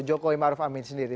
jokowi ma'ruf amin sendiri